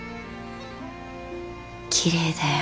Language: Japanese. きれいだよ。